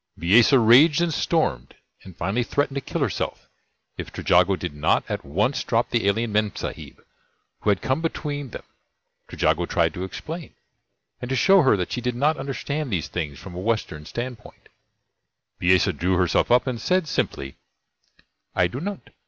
Bisesa raged and stormed, and finally threatened to kill herself if Trejago did not at once drop the alien Memsahib who had come between them. Trejago tried to explain, and to show her that she did not understand these things from a Western standpoint. Bisesa drew herself up, and said simply: "I do not.